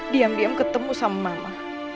diam diam ketemu sama mama